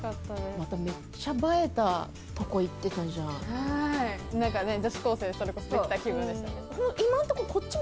まためっちゃ映えたとこ行ってたじゃん。ですよね？